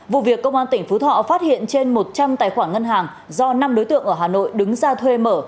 vụ việc công an tỉnh phú thọ phát hiện trên một trăm linh tài khoản ngân hàng do năm đối tượng ở hà nội đứng ra thuê mở